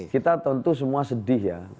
kita tentu semua sedih ya